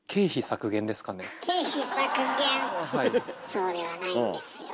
そうではないんですよ。